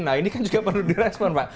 nah ini kan juga perlu direspon pak